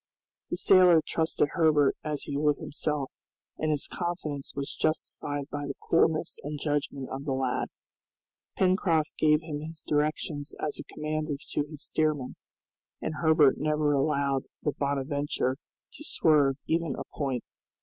The sailor trusted Herbert as he would himself, and his confidence was justified by the coolness and judgment of the lad. Pencroft gave him his directions as a commander to his steersman, and Herbert never allowed the "Bonadventure" to swerve even a point.